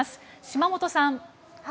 島本さん。